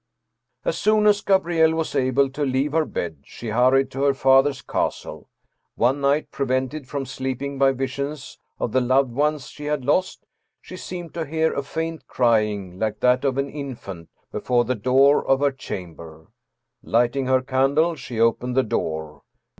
" As soon as Gabrielle was able to leave her bed, she hurried to her father's castle. One night, prevented from sleeping by visions of the loved ones she had lost, she seemed to hear a faint crying, like that of an infant, be fore the door of her chamber. Lighting her candle she opened the door.